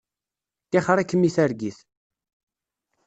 Tixeṛ-ikem i targit.